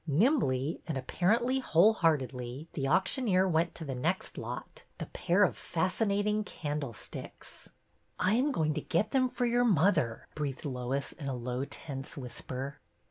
Nimbly, and apparently whole heartedly, the auctioneer went to the next lot, the pair of fasci nating candlesticks. " I am going to get them for your mother,'' breathed Lois, in a low tense whisper.